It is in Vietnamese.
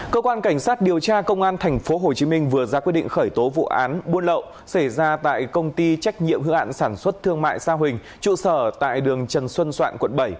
cơ quan cảnh sát điều tra công an tp hcm vừa ra quyết định khởi tố vụ án buôn lậu xảy ra tại công ty trách nhiệm hữu ạn sản xuất thương mại sa huỳnh trụ sở tại đường trần xuân soạn quận bảy